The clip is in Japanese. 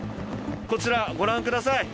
こちら、ご覧ください。